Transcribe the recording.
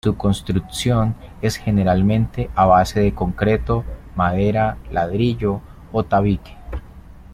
Su construcción es generalmente a base de concreto, madera, ladrillo o tabique.